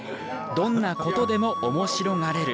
どんなことでもおもしろがれる。